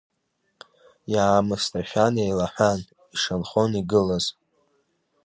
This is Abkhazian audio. Иаамысҭашәан еилаҳәан, ишанхон игылаз.